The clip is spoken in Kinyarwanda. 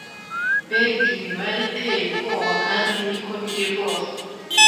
mbega imibare itey ubwoba kandi niko biri rwose